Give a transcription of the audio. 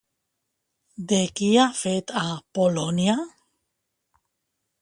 De qui ha fet a Polònia?